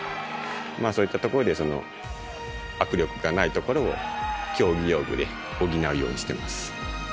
そういったところで握力がないところを競技用具で補うようにしています。